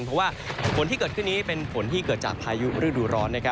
เพราะว่าฝนที่เกิดขึ้นนี้เป็นฝนที่เกิดจากพายุฤดูร้อน